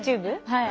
はい。